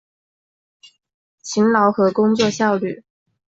勤劳和工作效率